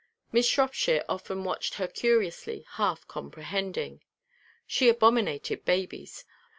Miss Shropshire often watched her curiously, half comprehending. She abominated babies.